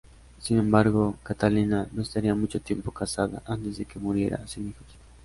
Sin embargo, Catalina no estaría mucho tiempo casada antes de que muriera, sin hijos.